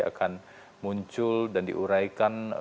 akan muncul dan diuraikan